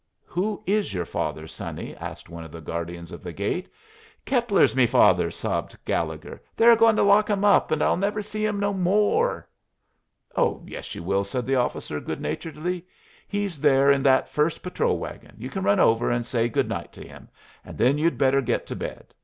"Who is your father, sonny?" asked one of the guardians of the gate. "Keppler's me father," sobbed Gallegher. "They're a goin' to lock him up, and I'll never see him no more." "Oh, yes, you will," said the officer, good naturedly; "he's there in that first patrol wagon. You can run over and say good night to him, and then you'd better get to bed.